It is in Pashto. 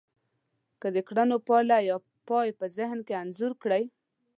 که د کړنو پايله يا پای په ذهن کې انځور کړی.